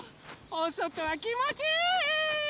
おそとはきもちいい！